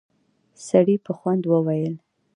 سړي په خوند وويل: